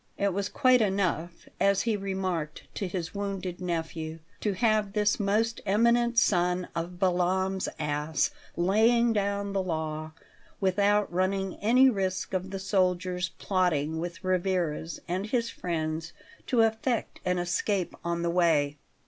It was quite enough, as he remarked to his wounded nephew, to have this Most Eminent son of Balaam's ass laying down the law, without running any risk of the soldiers plotting with Rivarez and his friends to effect an escape on the way.